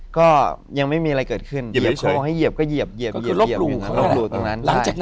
ก็ยังไม่มียังมีอะไรเกิดขึ้น